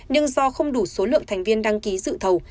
nhưng do không đủ số lượng thành viên đăng ký dự thầu